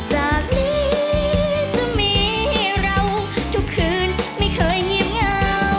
จากนี้จะมีเราทุกคืนไม่เคยเงียบเหงา